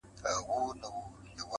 د دنیا حُسن له څلورو دېوالو نه وزي_